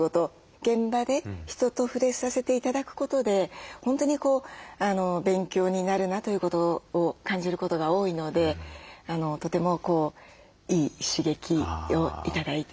現場で人と触れさせて頂くことで本当に勉強になるなということを感じることが多いのでとてもいい刺激を頂いてるなと思います。